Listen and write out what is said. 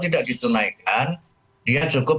tidak ditunaikan dia cukup